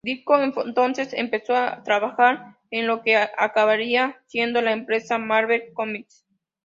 Ditko entonces empezó a trabajar en lo que acabaría siendo la empresa Marvel Comics.